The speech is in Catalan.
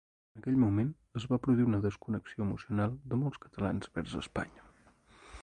En aquell moment, es va produir una desconnexió emocional de molts catalans vers Espanya.